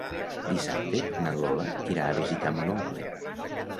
Dissabte na Lola irà a visitar mon oncle.